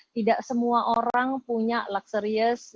tidak semua orang punya luxerious